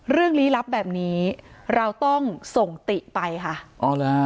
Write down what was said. เรื่องลี้ลับแบบนี้เราต้องส่งติไปค่ะ